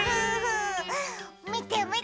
みてみて。